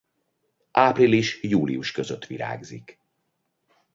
Április-július között virágzik.